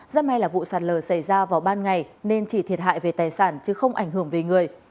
rất may là vụ sạt lở xảy ra vào ban ngày nên chỉ thiệt hại về tài sản chứ không ảnh hưởng về người